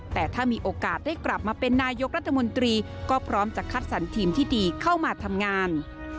แต่ถ้ามีโอกาสได้กลับมาเป็นนายกรัฐมนตรีก็พร้อมจะคัดสรรทีมที่ดีเข้ามาทำงาน